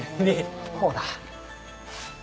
こうだ。